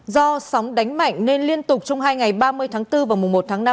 do sóng đánh mạnh nên liên tục trong hai ngày ba mươi tháng bốn và mùa một tháng năm